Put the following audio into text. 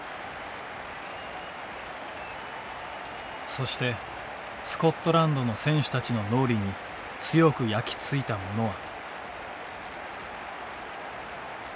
そしてスコットランドの選手たちの脳裏に強く焼き付いたものは。